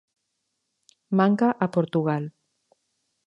Manca a Portugal.